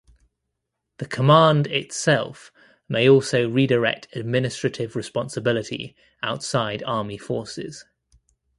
The Command itself may also redirect administrative responsibility outside Army forces.